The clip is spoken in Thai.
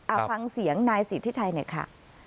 เอาฟังเสียงนายสิทธิชัยหน่อยค่ะ